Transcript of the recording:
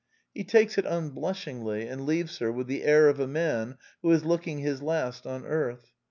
He takes it unblushingly, and leaves her with the air of a man who is looking his last on earth.